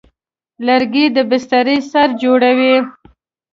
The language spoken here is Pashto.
لرګی د بسترې سر جوړوي.